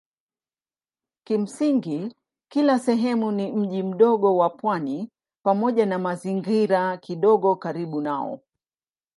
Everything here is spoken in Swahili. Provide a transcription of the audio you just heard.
Kimsingi kila sehemu ni mji mdogo wa pwani pamoja na mazingira kidogo karibu nao.